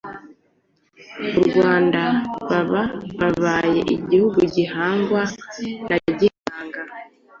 u Rwanda, baba babaye igihugu , gihangwa na Gihanga